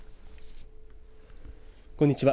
こんにちは。